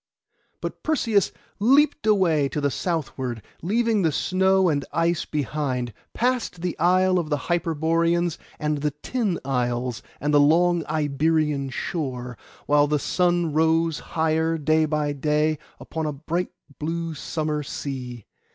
But Perseus leaped away to the southward, leaving the snow and the ice behind: past the isle of the Hyperboreans, and the tin isles, and the long Iberian shore, while the sun rose higher day by day upon a bright blue summer sea.